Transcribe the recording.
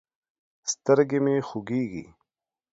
سترګې مې خوږېږي.